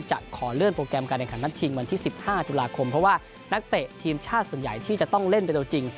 จะขอเลื่อนโปรแกรมการแข่งขันนัดชิงวันที่๑๕ตุลาคมเพราะว่านักเตะทีมชาติส่วนใหญ่ที่จะต้องเล่นเป็นตัวจริง